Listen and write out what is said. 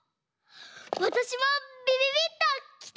わたしもびびびっときた！